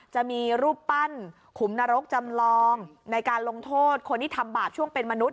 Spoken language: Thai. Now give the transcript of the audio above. จะมีรูปปั้นขุมนรกจำลองในการลงโทษคนที่ทำบาปช่วงเป็นมนุษย